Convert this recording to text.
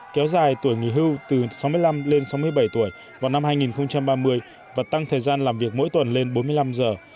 kéo dài tuổi nghỉ hưu từ sáu mươi năm lên sáu mươi bảy tuổi vào năm hai nghìn ba mươi và tăng thời gian làm việc mỗi tuần lên bốn mươi năm giờ